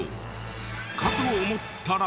かと思ったら。